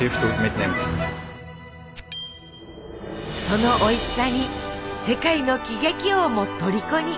そのおいしさに世界の喜劇王もとりこに。